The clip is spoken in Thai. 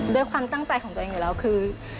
ด้วยความตั้งใจของตัวเองอยู่แล้วคือ